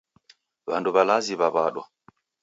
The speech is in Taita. W'andu w'alazi w'aw'adwa.